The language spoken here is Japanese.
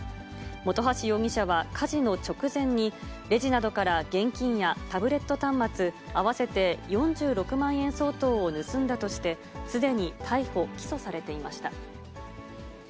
本橋容疑者は火事の直前に、レジなどから現金やタブレット端末、合わせて４６万円相当を盗んだとして、すでに逮捕・起訴されていました。